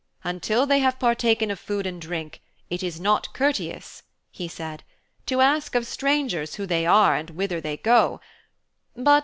'Until they have partaken of food and drink, it is not courteous,' he said, 'to ask of strangers who they are and whither they go.